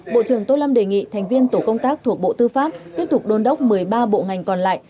bộ trưởng tô lâm đề nghị thành viên tổ công tác thuộc bộ tư pháp tiếp tục đôn đốc một mươi ba bộ ngành còn lại